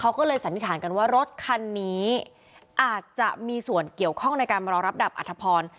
เขาก็เลยสันนิษฐานกันว่ารถคันนี้อาจจะมีส่วนเกี่ยวข้องในการมารอรับดับอัธพร